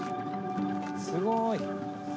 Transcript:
すごい！